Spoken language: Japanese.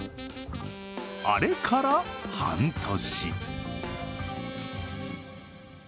あれから半年。